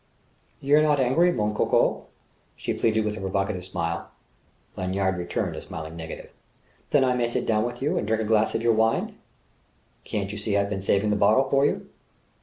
"You're not angry, mon coco?" she pleaded with a provocative smile. Lanyard returned a smiling negative. "Then I may sit down with you and drink a glass of your wine?" "Can't you see I've been saving the bottle for you?"